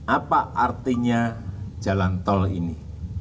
apa artinya jalan tol ini